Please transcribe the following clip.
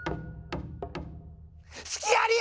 すきあり！